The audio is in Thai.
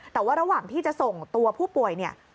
แต่ว่าระหว่างที่จะส่งตัวผู้ป่วยเนี่ย